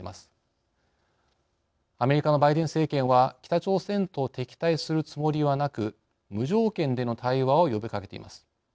アメリカのバイデン政権は北朝鮮と敵対するつもりはなく無条件での対話を呼びかけています。